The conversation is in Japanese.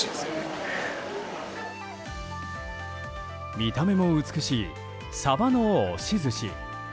見た目も美しいサバの押し寿司。